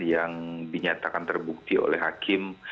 yang dinyatakan terbukti oleh hakim